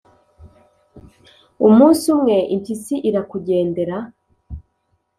umunsi umwe, impyisi irakugendera,